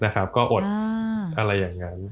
ก็อดอะไรอย่างนั้น